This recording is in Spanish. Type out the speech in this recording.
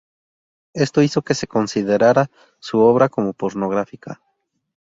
Esto hizo que se considerara su obra como pornográfica.